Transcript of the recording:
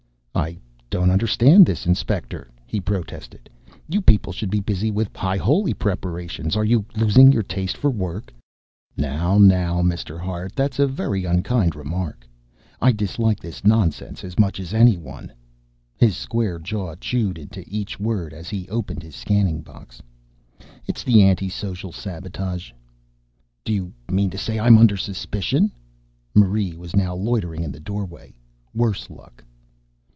"I don't understand this, Inspector," he protested. "You people should be busy with High Holy preparations. Are you losing your taste for work?" "Now, now, Mr. Hart, that's a very unkind remark. I dislike this nonsense as much as anyone." His square jaw chewed into each word as he opened his scanning box. "It's the anti social sabotage." "Do you mean to say I am under suspicion?" Marie was now loitering in the doorway, worse luck.